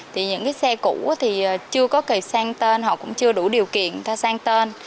thì những cái xe cũ thì chưa có kịp sang tên họ cũng chưa đủ điều kiện để sang tên